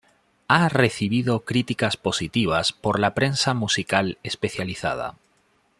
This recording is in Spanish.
Ha recibido críticas positivas por la prensa musical especializada.